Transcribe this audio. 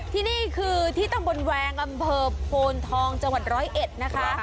ที่นี่คือที่ตำบลแวงอำเภอโพนทองจังหวัดร้อยเอ็ดนะคะ